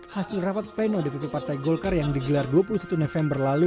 hasil rapat pleno dpp partai golkar yang digelar dua puluh satu november lalu